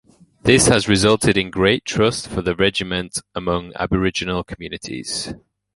This has resulted in great trust for the regiment among Aboriginal communities.